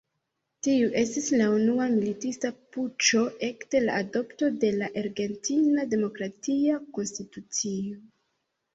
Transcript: Tiu estis la unua militista puĉo ekde la adopto de la argentina demokratia konstitucio.